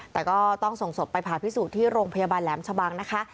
แต่ก็ต้องส่งศพไปผ่าพิสูจน์ที่โรงพยาบาลแหลมชะบังนะคะ